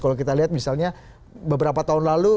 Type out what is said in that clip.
kalau kita lihat misalnya beberapa tahun lalu